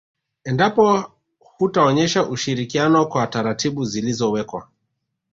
Endapo hutaonyesha ushirikiano kwa taratibu zilizowekwa